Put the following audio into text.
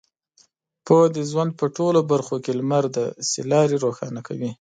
پوهه د ژوند په ټولو برخو کې لمر دی چې لارې روښانه کوي.